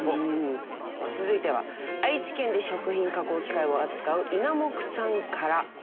続いては愛知県で食品加工機械を扱うイナモクさんから。